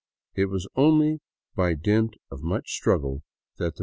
It was only by dint of much struggle that the.